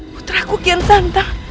putraku kian santa